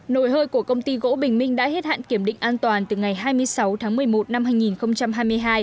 nồi hơi của công ty gỗ bình minh đã hết hạn kiểm định an toàn từ ngày hai mươi sáu tháng một mươi một năm hai nghìn hai mươi hai